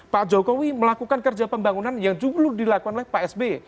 pak jokowi melakukan kerja pembangunan yang dulu dilakukan oleh pak sby